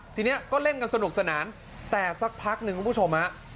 ทีนี้ก็เล่นกันสนุกสนานแต่สักพักหนึ่งคุณผู้ชมฮะ